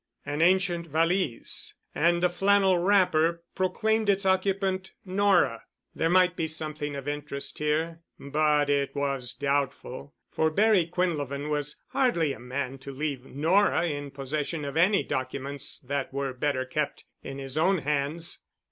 An ancient valise, and a flannel wrapper, proclaimed its occupant—Nora. There might be something of interest here—but it was doubtful, for Barry Quinlevin was hardly a man to leave Nora in possession of any documents that were better kept in his own hands.